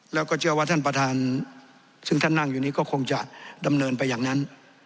แล้วก็เชื่อว่าท่านประธานซึ่งท่านนั่งอยู่นี้ก็คงจะดำเนินไปอย่างนั้น